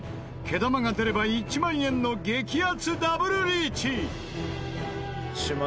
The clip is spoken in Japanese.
毛玉が出れば１万円の激熱ダブルリーチ！